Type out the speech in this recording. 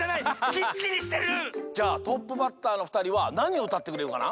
きっちりしてる！じゃあトップバッターのふたりはなにをうたってくれるかな？